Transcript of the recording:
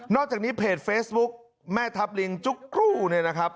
อกจากนี้เพจเฟซบุ๊กแม่ทัพลิงจุ๊กครู่เนี่ยนะครับ